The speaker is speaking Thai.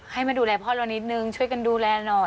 ให้มาดูแลพ่อเรานิดนึงช่วยกันดูแลหน่อย